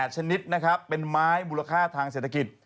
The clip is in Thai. ชนิดนะครับเป็นไม้มูลค่าทางเศรษฐกิจ